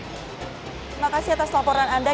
terima kasih atas laporan anda